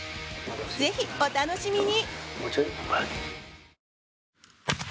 ぜひお楽しみに！